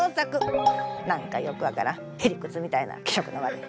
何かよく分からんへりくつみたいな気色の悪い。